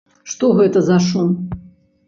Што гэта за шум?